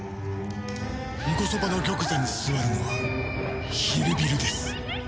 ンコソパの玉座に座るのはヒルビルです。